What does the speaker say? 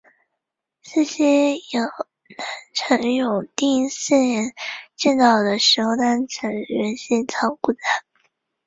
寺西有南陈永定四年建造的石构单层圆形藏骨塔。